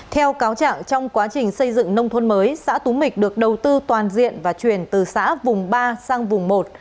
theo cáo trạng trong quá trình xây dựng nông thôn mới xã tú mịch được đầu tư toàn diện và chuyển từ xã vùng ba sang vùng một